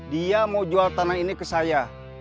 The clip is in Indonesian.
dia mau jual tanah ini ke saya